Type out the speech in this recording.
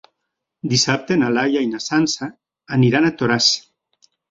Dissabte na Laia i na Sança aniran a Toràs.